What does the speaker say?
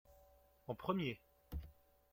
En premier.